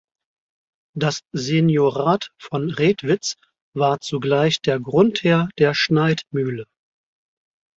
Das Seniorat von Redwitz war zugleich der Grundherr der Schneidmühle.